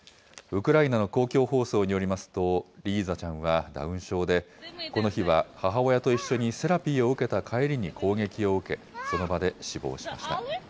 ウクライナの公共放送によりますと、リーザちゃんはダウン症で、この日は母親と一緒にセラピーを受けた帰りに攻撃を受け、その場で死亡しました。